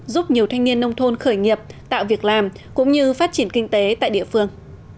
giúp nhiều thanh niên nông thôn khởi nghiệp tạo việc làm cũng như phát triển kinh tế tại địa phương